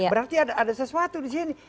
berarti ada sesuatu di sini